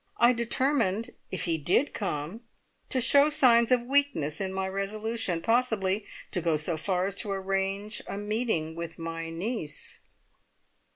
I determined, if he did come, to show signs of weakness in my resolution; possibly to go so far as to arrange a meeting with my niece.